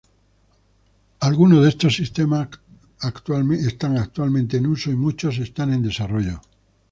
Algunos de estos sistemas están actualmente en uso, y muchos están en desarrollo.